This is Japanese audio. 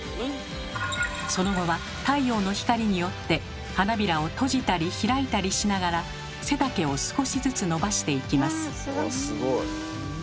その後は太陽の光によって花びらを閉じたり開いたりしながら背丈を少しずつ伸ばしていきます。